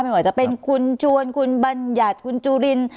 ไม่ว่าจะเป็นคุณชวนคุณบัญญัติคุณจุลิน